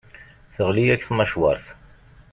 Teɣli-yak tmacwart.